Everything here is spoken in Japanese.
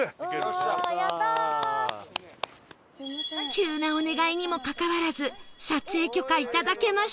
急なお願いにもかかわらず撮影許可いただけました